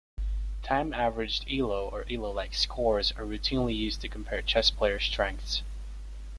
Time averaged Elo or Elo-like scores are routinely used to compare chess player strengths.